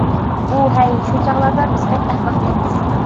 ئۇ :-ھەي، شۇ چاغلاردا بىز بەك ئەخمەقكەنمىز.